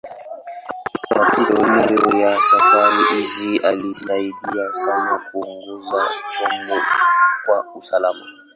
Katika moja ya safari hizi, alisaidia sana kuongoza chombo kwa usalama.